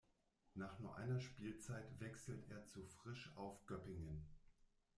Nach nur einer Spielzeit wechselte er zu Frisch Auf Göppingen.